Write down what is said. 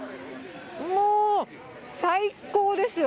もう、最高ですよ。